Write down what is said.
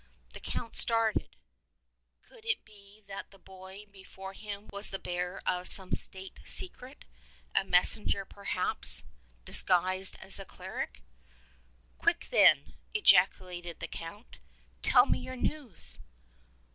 The Count started. Could it be that the boy before him was the bearer of some State secret — a messenger, perhaps, disguised as a cleric? "Quick then;" ejaculated the Count, "tell me your news!"